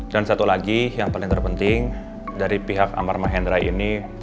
dan satu lagi yang paling terpenting dari pihak amar mahendra ini